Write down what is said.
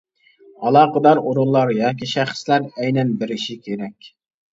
ئالاقىدار ئورۇنلار ياكى شەخسلەر ئەينەن بېرىشى كېرەك.